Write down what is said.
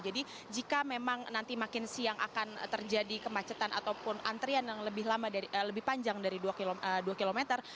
jadi jika memang nanti makin siang akan terjadi kemacetan ataupun antrian yang lebih panjang dari dua km